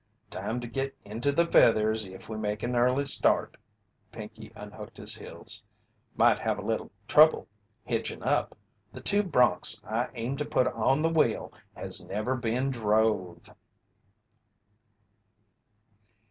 "Time to git into the feathers if we make an early start." Pinkey unhooked his heels. "Might have a little trouble hitchin' up. The two broncs I aim to put on the wheel has never been drove."